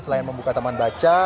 selain membuka taman baca